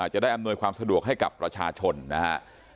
อำนวยความสะดวกให้กับประชาชนนะฮะ